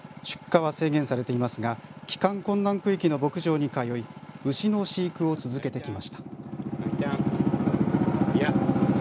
出荷は制限されていますが帰還困難区域の牧場に通い牛の飼育を続けてきました。